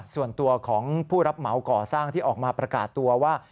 ส่วนตัวของผู้รับเหมาก่อสร้างที่ออกมาประกาศตัวว่า